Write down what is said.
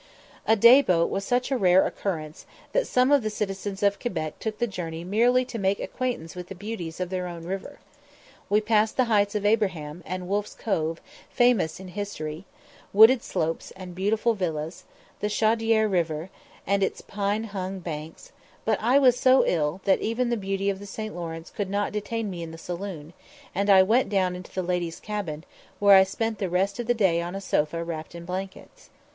A day boat was such a rare occurrence that some of the citizens of Quebec took the journey merely to make acquaintance with the beauties of their own river. We passed the Heights of Abraham, and Wolfe's Cove, famous in history; wooded slopes and beautiful villas; the Chaudière river, and its pine hung banks; but I was so ill that even the beauty of the St. Lawrence could not detain me in the saloon, and I went down into the ladies' cabin, where I spent the rest of the day on a sofa wrapped in blankets.